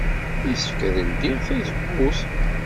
Yessefk ad ledyeɣ tazewwut?